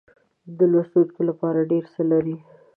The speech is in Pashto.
د لوستونکو لپاره ډېر څه لري.